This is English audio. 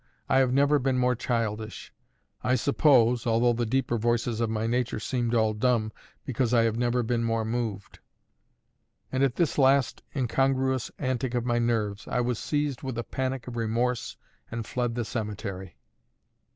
I have never been more childish; I suppose (although the deeper voices of my nature seemed all dumb) because I have never been more moved. And at this last incongruous antic of my nerves, I was seized with a panic of remorse and fled the cemetery.